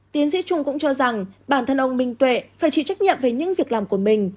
tiến sĩ trung cũng cho rằng bản thân ông minh tuệ phải chịu trách nhiệm về những việc làm của mình